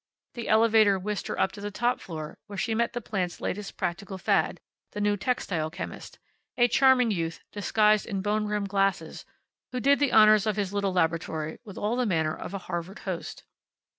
The elevator whisked her up to the top floor, where she met the plant's latest practical fad, the new textile chemist a charming youth, disguised in bone rimmed glasses, who did the honors of his little laboratory with all the manner of a Harvard host.